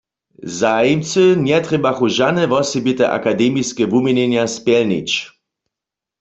Zajimcy njetrjebachu žane wosebite akademiske wuměnjenja spjelnić.